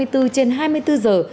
hai mươi bốn trên hai mươi bốn giờ